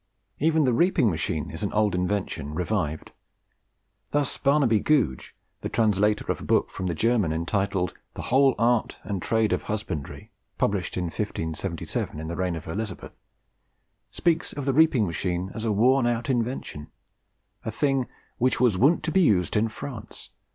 Even the reaping machine is an old invention revived. Thus Barnabe Googe, the translator of a book from the German entitled 'The whole Arte and Trade of Husbandrie,' published in 1577, in the reign of Elizabeth, speaks of the reaping machine as a worn out invention a thing "which was woont to be used in France.